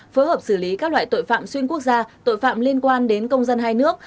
phối hợp xử lý các loại tội phạm xuyên quốc gia tội phạm liên quan đến công dân hai nước